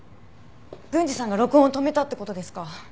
郡司さんが録音を止めたって事ですか？